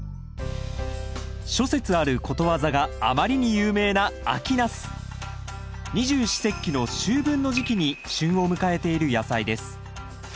諸説あることわざがあまりに有名な二十四節気の秋分の時期に旬を迎えている野菜です。